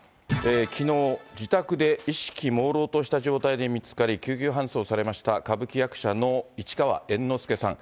きのう、自宅で意識もうろうとした状態で見つかり、救急搬送されました歌舞伎役者の市川猿之助さん。